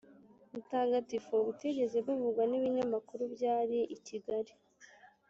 mutagatifu butigeze buvugwa n'ibinyamakuru byari i kigali